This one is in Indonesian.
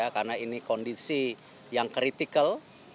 karena ini kondisi yang kritikal